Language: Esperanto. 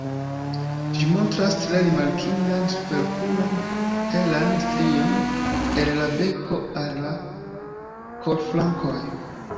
Ĝi montras tre rimarkindan superokulan helan strion el la beko al la kolflankoj.